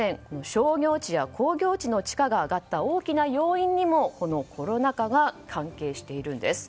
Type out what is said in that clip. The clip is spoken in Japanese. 商業地や工業地の地価が上がった大きな要因にもコロナ禍が関係しているんです。